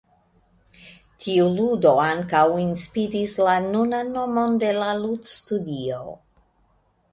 Tiu ludo ankaŭ inspiris la nunan nomon de la ludstudio.